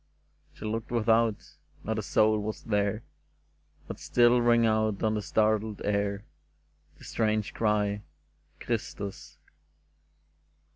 She looked without : not a soul was there, But still rang out on the startled air The strange cry, '^ Christus!"